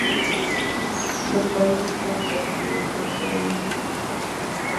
La paredes están interrumpidas por ocho vanos rectangulares.